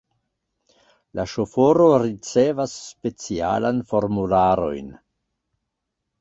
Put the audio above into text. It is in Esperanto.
La ŝoforo ricevas specialajn formularojn.